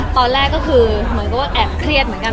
ตอนแรกก็คือเหมือนกับว่าแอบเครียดเหมือนกัน